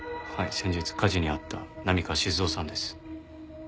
先日火事に遭った波川志津雄さんです。